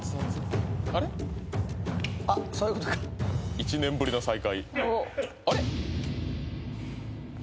「１年ぶりの再会」「あれっ？」